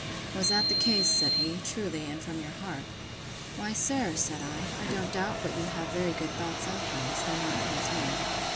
Was that the case, said he, truly, and from your heart? Why, sir, said I, I don't doubt but you have very good thoughts sometimes, though not towards me.